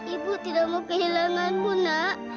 ibu tidak mau kehilanganmu nak